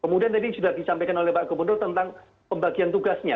kemudian tadi sudah disampaikan oleh pak gubernur tentang pembagian tugasnya